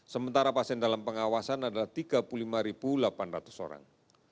sementara pasien dalam pengawasan adalah tiga puluh lima delapan ratus orang